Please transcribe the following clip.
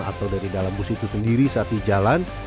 atau dari dalam bus itu sendiri saat di jalan